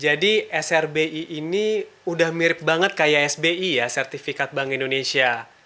jadi srbi ini sudah mirip banget kayak sbi ya sertifikat bank indonesia